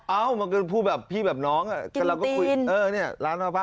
เอ้ามันก็คือผู้แบบพี่แบบน้องอ่ะก็เราก็คุยเออเนี่ยร้านน้องป่ะ